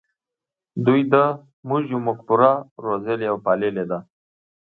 دوی د "موږ یو" مفکوره روزلې او پاللې ده.